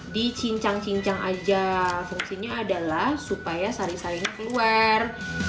dicincang cincang aja fungsinya adalah supaya saring saringnya keluar